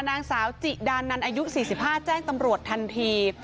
นางสาวจิดานนันอายุสี่สิบห้าแจ้งตำรวจทันที